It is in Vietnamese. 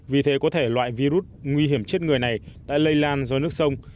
vì thế có thể loại virus nguy hiểm chết người này đã lây lan do nước sông